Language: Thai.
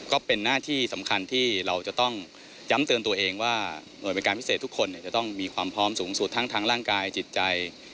ก็เป็นหน้าที่สำคัญที่เราจะต้องย้ำเตือนตัวเองว่าหน่วยบริการพิเศษทุกคนจะต้องมีความพร้อมสูงสุดทั้งทางร่างกายจิตใจ